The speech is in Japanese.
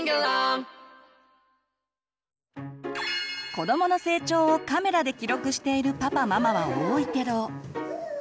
子どもの成長をカメラで記録しているパパママは多いけど。